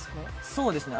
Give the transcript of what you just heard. そうですね。